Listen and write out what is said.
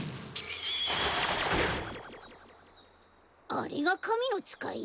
あれがかみのつかい？